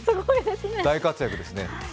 大活躍ですね。